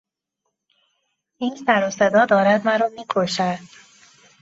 این سروصدا دارد مرا میکشد!